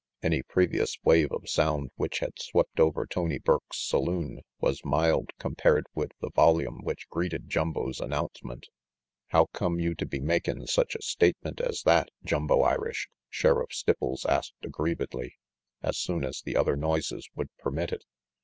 Any previous wave of sound which had swept over Tony Burke's saloon was mild compared with the volume which greeted Jumbo's announcement. "How come you to be makin' such a statement as that, Jumbo Irish?" Sheriff Stipples asked aggriev edly, as soon as the other noises would permit it.